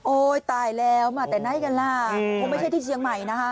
โอ้ยตายแล้วมาแต่น้อยกันล่ะโอ้ยไม่ใช่ที่เชียงใหม่นะฮะ